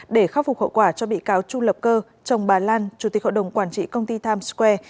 để khắc phục hậu quả cho bị cáo chu lập cơ chồng bà lan chủ tịch hội đồng quản trị công ty times square